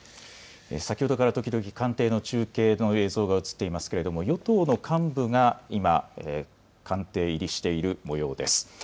先ほどから時々官邸の中継の映像が映っていますが与党の幹部が今官邸入りしているもようです。